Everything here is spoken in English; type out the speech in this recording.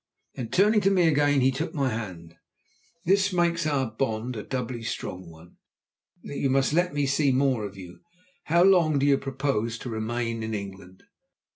Then, turning to me again, he took my hand. "This makes our bond a doubly strong one. You must let me see more of you! How long do you propose remaining in England?"